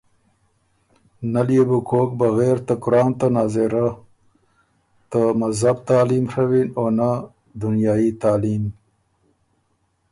نۀ ليې بو کوک بغېر ته قرآن ته ناظره ته مذهب تعلیم ڒوّن او نه دنیايي تعلیم۔